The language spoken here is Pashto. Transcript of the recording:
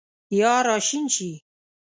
یا راشین شي